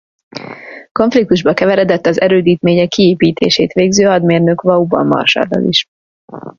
Konfliktusba keveredett az erődítmények kiépítését végző hadmérnök Vauban marsallal is.